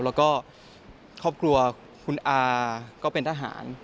แล้วก็ครอบครัวคุณอาก็เป็นทหาร